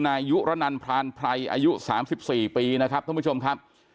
นายยุระนันพรานไพรอายุ๓๔ปีนะครับท่านผู้ชมครับ